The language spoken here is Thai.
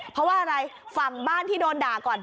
เพราะว่าอะไรฝั่งบ้านที่โดนด่าก่อน